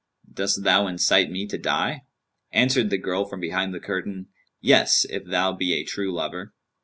Dost thou incite me to die?' Answered the girl from behind the curtain, 'Yes, if thou be a true lover.'